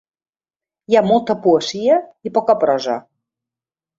Hi ha molta poesia i poca prosa.